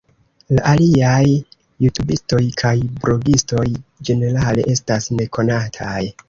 La aliaj jutubistoj kaj blogistoj ĝenerale estas nekonataj.